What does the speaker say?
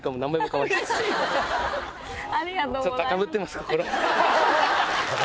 ありがとうございます。